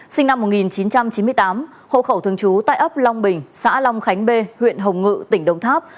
sinh năm một nghìn chín trăm chín mươi tám hộ khẩu thương chú tại ấp long bình xã long khánh bê huyện hồng ngự tỉnh đồng tháp